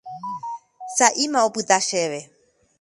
Sa'íma opyta chéve.